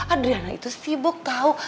adriana itu sibuk tau